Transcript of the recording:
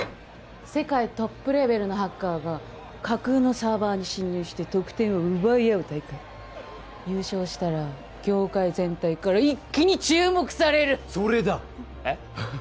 世界トップレベルのハッカーが架空のサーバーに侵入して得点を奪い合う大会優勝したら業界全体から一気に注目されるそれだえっ？